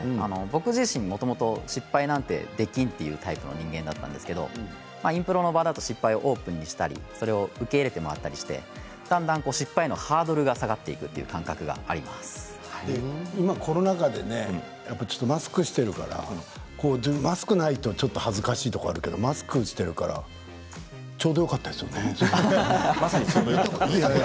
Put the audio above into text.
僕自身失敗なんてできん、というタイプだったんですけどインプロの場だと失敗をオープンにしたりそれを受け入れてもらったりしてだんだん失敗のハードルが下がっていくコロナ禍でマスクをしているからマスクないとちょっと恥ずかしいところだけどもマスクしているからちょうどよかったですよね。